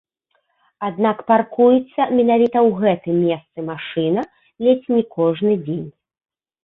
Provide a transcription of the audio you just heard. Аднак паркуецца менавіта ў гэтым месцы машына ледзь не кожны дзень.